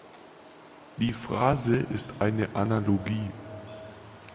Die Phrase ist eine Analogie.